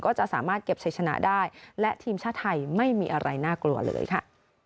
ก็จะสามารถเก็บใช้ชนะได้และทีมชาติไทยไม่มีอะไรน่ากลัวเลยค่ะ